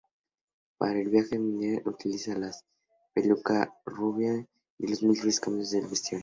Para el vídeo, Minaj utiliza una peluca rubia y múltiples cambios de vestuarios.